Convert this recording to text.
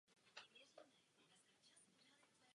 Narodil se v argentinském městě Mendoza ve španělské rodině.